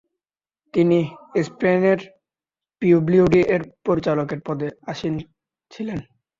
তিনি স্পেনের পিডব্লিউডি-এর পরিচালকের পদে আসীন ছিলেন।